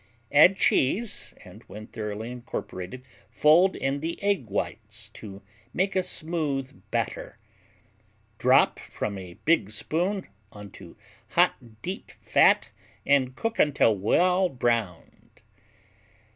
Add cheese and when thoroughly incorporated fold in the egg whites to make a smooth batter. Drop from a big spoon into hot deep fat and cook until well browned.